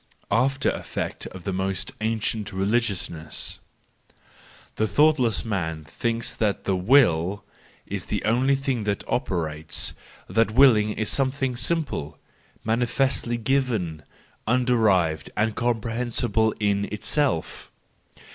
After Effect of the most Ancient Religiousness .— The thoughtless man thinks that the Will is the only thing that operates, that willing is something simple, manifestly given, underived, and comprehen¬ sible in itself.